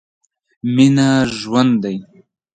مينه ژوند دی.